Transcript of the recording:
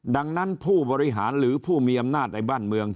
ดังนั้นผู้บริหารหรือผู้มีอำนาจในบ้านเมือง